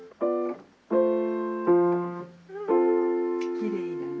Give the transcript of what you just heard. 「きれいだな」